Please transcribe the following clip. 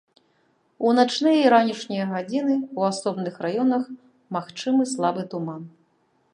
У начныя і ранішнія гадзіны ў асобных раёнах магчымы слабы туман.